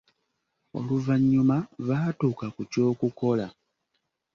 Oluvannyuma baatuuka ku ky'okukola.